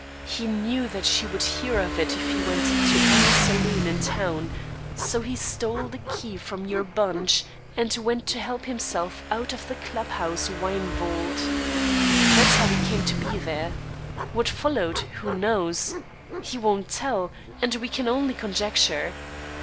He knew that she would hear of it if he went to any saloon in town; so he stole the key from your bunch, and went to help himself out of the club house wine vault. That's how he came to be there. What followed, who knows? He won't tell, and we can only conjecture.